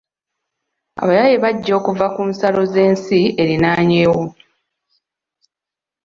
Abayaaye bajja okuva ku nsalo z'ensi erinaanyeewo.